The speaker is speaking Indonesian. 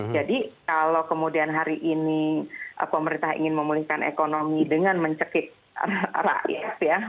jadi kalau kemudian hari ini pemerintah ingin memulihkan ekonomi dengan mencekik raiz ya